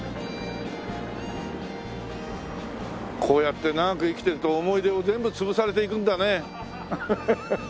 こうやって長く生きてると思い出を全部潰されていくんだね。